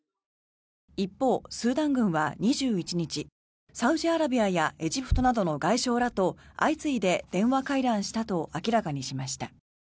一方、スーダン軍は２１日サウジアラビアやエジプトなどの外相らと相次いで電話会談したと明らかにしました。